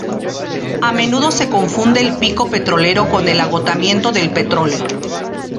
A menudo se confunde el pico petrolero con el agotamiento del petróleo.